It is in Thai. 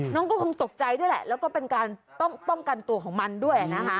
น้องก็คงตกใจด้วยแหละแล้วก็เป็นการต้องป้องกันตัวของมันด้วยนะคะ